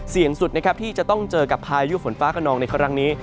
เสี่ยงสุดที่จะต้องเจอกับอายุฝนฟ้ากระนองในครั้งนี้